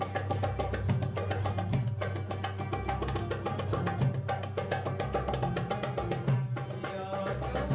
memulai dan menyebutnya atau